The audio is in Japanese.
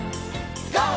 ＧＯ！